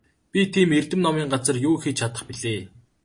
Би тийм эрдэм номын газар юу хийж чадах билээ?